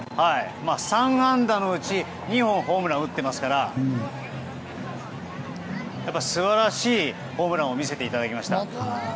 ３安打のうち、２本ホームランを打ってますから素晴らしいホームランを見せていただきました。